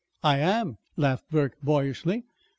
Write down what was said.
"I am," laughed Burke boyishly.